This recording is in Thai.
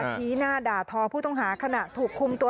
ชี้หน้าด่าทอผู้ต้องหาขณะถูกคุมตัว